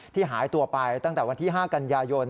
หายตัวไปตั้งแต่วันที่๕กันยายน